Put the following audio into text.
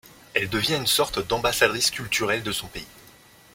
Elle devient une sorte d'ambassadrice culturelle de son pays.